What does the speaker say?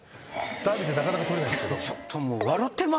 ダービーってなかなか取れないですけど。